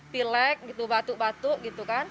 pilek gitu batuk batuk gitu kan